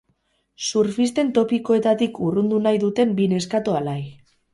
Surfisten topikoetatik urrundu nahi duten bi neskato alai.